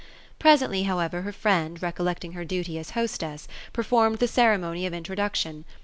Presently however, her friend, recollecting her duty as hostess, per formed the ceremony of introduction.